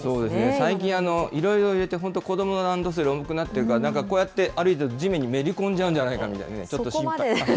最近、いろいろ入れて、子どものランドセル重くなってるから、なんかこうやって歩いてると、地面にめり込んじゃうんじゃないかみたいな。